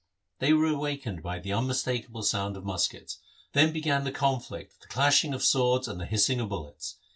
They were awakened by an unmistakable sound of muskets. Then began the conflict, the clashing of swords, and the hissing of bullets.